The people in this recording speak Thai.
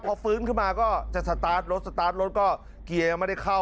พอฟื้นขึ้นมาก็จะสตาร์ทรถสตาร์ทรถก็เกียร์ยังไม่ได้เข้า